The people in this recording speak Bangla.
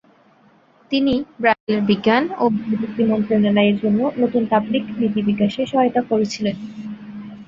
তিনি ব্রাজিলের বিজ্ঞান ও প্রযুক্তি মন্ত্রণালয়ের জন্য নতুন পাবলিক নীতি বিকাশে সহায়তা করেছিলেন।